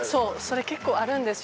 それ結構あるんですよ。